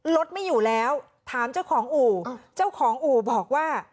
รถไม่อยู่แล้วถามเจ้าของอู่เจ้าของอู่บอกว่า